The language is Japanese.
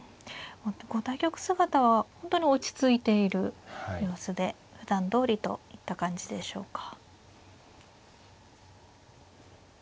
こう対局姿は本当に落ち着いている様子でふだんどおりといった感じでしょうか。